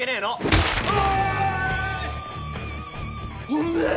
おめえ。